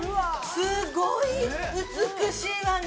すごい美しいわね。